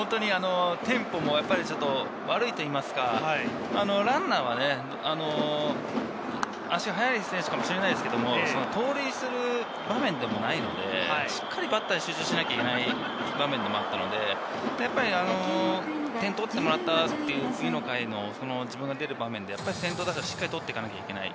テンポも悪いといいますか、ランナーは足が速い選手かもしれないですけど、盗塁する場面でもないので、しっかりバッターに集中しなければいけない場面でもあったので、やっぱり点を取ってもらったという次の回の自分が出る場面で、先頭打者、しっかり取っていかなければいけない。